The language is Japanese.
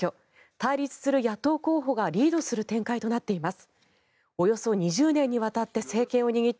対立する野党候補がリードする展開となっています。